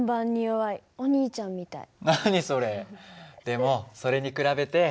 でもそれに比べて。